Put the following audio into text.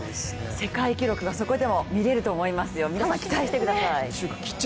世界記録がそこでも見られると思いますよ、皆さん、期待してください。